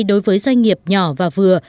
đối với doanh nghiệp nhỏ và vừa